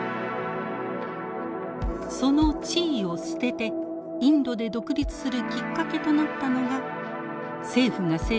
その地位を捨ててインドで独立するきっかけとなったのが政府が整備した決済システムでした。